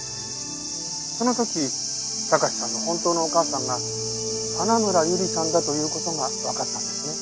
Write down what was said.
その時貴史さんの本当のお母さんが花村友梨さんだという事がわかったんですね。